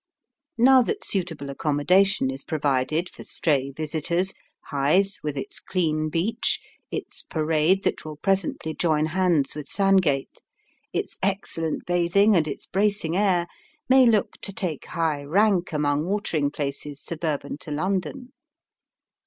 Now that suitable accommodation is provided for stray visitors, Hythe, with its clean beach, its parade that will presently join hands with Sandgate, its excellent bathing, and its bracing air, may look to take high rank among watering places suburban to London.